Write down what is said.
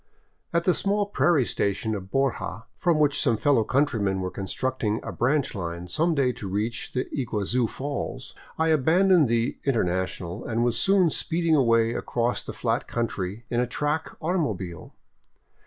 At the small prairie station of Borja, from which some fellow coun trymen were constructing a branch line some day to reach the Iguazu Falls, I abandoned the International," and was soon speeding away across the flat country in a track automobile.